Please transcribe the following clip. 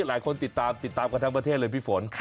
หลายคนติดตามติดตามกันทั้งประเทศเลยพี่ฝน